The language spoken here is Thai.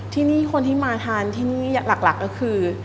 ที่นี่คนที่มาทานที่นี่หลักก็คือ